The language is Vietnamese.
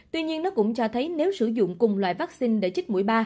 tuy nhiên nó cũng cho thấy nếu sử dụng cùng loại vaccine để chích mũi ba